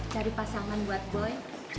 cari pasangan buat boy